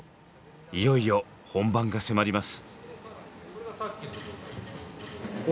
いよいよ本番が迫ります。